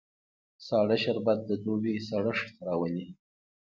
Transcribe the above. سړه شربت د دوبی سړښت راولي